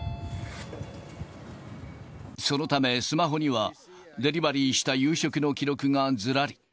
そのため、スマホにはデリバリーした夕食の記録がずらり。